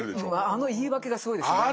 あの言い訳がすごいですよね。